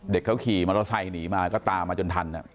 เขาขี่มอเตอร์ไซค์หนีมาก็ตามมาจนทัน